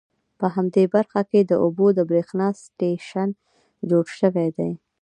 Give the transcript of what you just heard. په همدې برخه کې د اوبو د بریښنا سټیشن جوړ شوي دي.